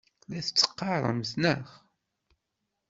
La t-teqqaremt, naɣ?